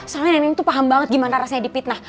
soalnya neneng tuh paham banget gimana rasanya dipitnah